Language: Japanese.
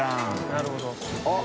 なるほど。